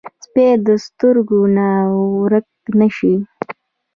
سپي د سترګو نه ورک نه شي.